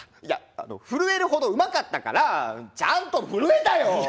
いや震えるほどうまかったからちゃんと震えたよ！